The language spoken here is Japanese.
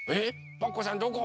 パクこさんどこ？